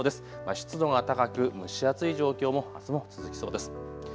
湿度が高く蒸し暑い状況もあすも続きそうです。